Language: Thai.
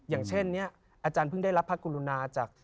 อย่างเช่นนี้อาจารย์เพิ่งได้รับพระกรุณาจาก